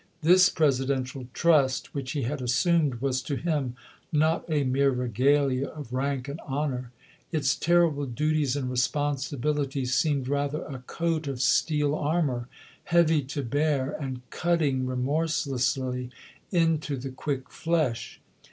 This Presidential trust which he had assumed was to him not a mere regalia of rank and honor. Its terrible duties and responsibilities seemed rather a coat of steel armor, heavy to bear, and cutting remorselessly into the quick flesh.